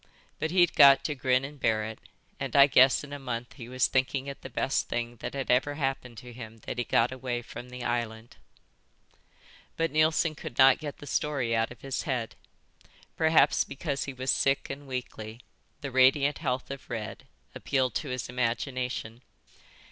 But he'd got to grin and bear it, and I guess in a month he was thinking it the best thing that had ever happened to him that he got away from the island." But Neilson could not get the story out of his head. Perhaps because he was sick and weakly, the radiant health of Red appealed to his imagination.